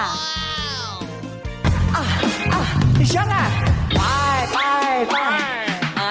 เทปน้องไหนมันมุ่งให้เอาอยู่เทปที่ใจจะได้บ่งเนาะอายกา